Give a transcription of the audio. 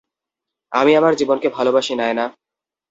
আমি আমার জীবনকে ভালোবাসি, নায়না।